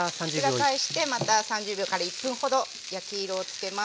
裏返してまた３０秒から１分ほど焼き色をつけます。